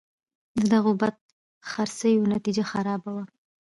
د دغو بدخرڅیو نتیجه خرابه وه.